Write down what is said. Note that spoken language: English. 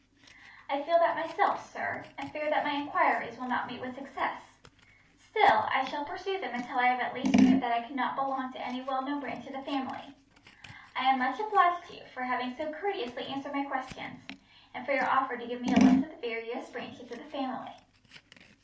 "I feel that myself, sir, and fear that my enquiries will not meet with success. Still, I shall pursue them until I have at least proved that I cannot belong to any well known branch of the family. I am much obliged to you, for having so courteously answered my questions, and for your offer to give me a list of the various branches of the family."